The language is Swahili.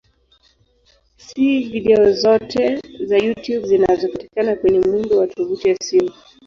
Si video zote za YouTube zinazopatikana kwenye muundo wa tovuti ya simu.